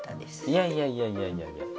いやいやいやいやいや。